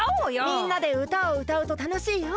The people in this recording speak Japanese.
みんなでうたをうたうとたのしいよ！